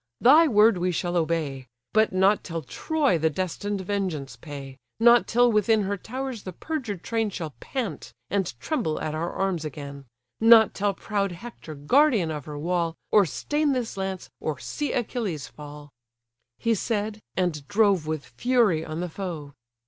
thy word we shall obey; But not till Troy the destined vengeance pay, Not till within her towers the perjured train Shall pant, and tremble at our arms again; Not till proud Hector, guardian of her wall, Or stain this lance, or see Achilles fall." He said; and drove with fury on the foe.